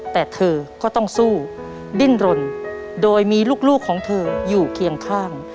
แต่เธอก็ต้องสู้ดิ้นรนโดยมีลูกของเธออยู่เคียงข้าง